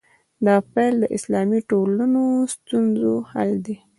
دا پیل د اسلامي ټولنو ستونزو حل دی.